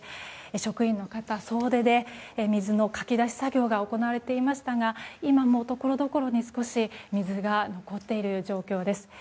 職員の方、総出で水のかき出し作業が行われていましたが今もところどころに少し水が残っている状況です。